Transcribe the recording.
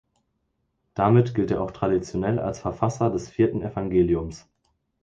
Damit gilt er auch traditionell als Verfasser des vierten Evangeliums.